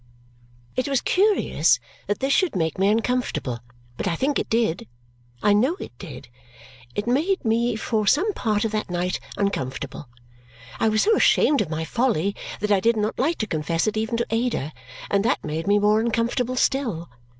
It was curious that this should make me uncomfortable, but I think it did. I know it did. It made me for some part of that night uncomfortable. I was so ashamed of my folly that I did not like to confess it even to Ada, and that made me more uncomfortable still.